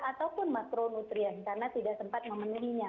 ataupun makronutrien karena tidak sempat memenuhinya